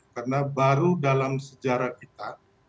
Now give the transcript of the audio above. karena baru dalam sejarah kita